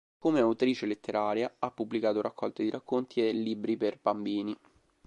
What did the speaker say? Come autrice letteraria ha pubblicato raccolte di racconti e libri per bambini.